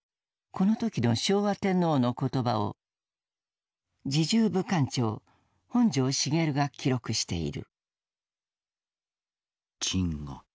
この時の昭和天皇の言葉を侍従武官長本庄繁が記録している。